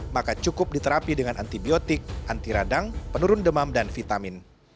maka cukup diterapi dengan antibiotik anti radang penurun demam dan vitamin